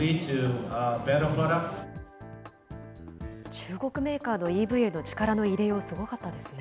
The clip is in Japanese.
中国メーカーのＥＶへの力の入れよう、すごかったですね。